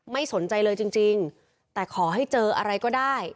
ไม่สนใจเลยจริงแต่ขอให้เจออะไรก็ได้